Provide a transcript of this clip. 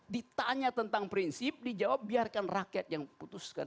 ditanya tentang prinsip dijawab biarkan rakyat yang putuskan